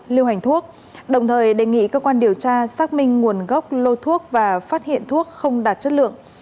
lưu hành thuốc đồng thời đề nghị cơ quan điều tra xác minh nguồn gốc lô thuốc và phát hiện thuốc không đạt chất lượng